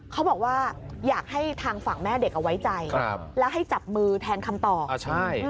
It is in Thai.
เขาบอกว่าอยากให้ทางฝั่งแม่เด็กเอาไว้ใจแล้วให้จับมือแทนคำตอบอ่าใช่